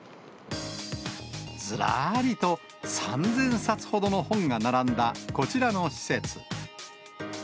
ずらーりと、３０００冊ほどの本が並んだこちらの施設。